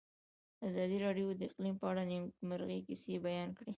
ازادي راډیو د اقلیم په اړه د نېکمرغۍ کیسې بیان کړې.